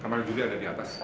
sama juli ada di atas